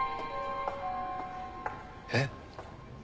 えっ？